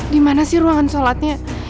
dimana sih ruangan sholatnya